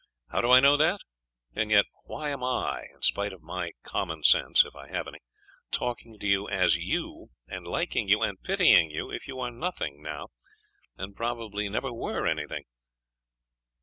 How do I know that? And yet, why am I, in spite of my common sense if I have any talking to you as you, and liking you, and pitying you, if you are nothing now, and probably never were anything?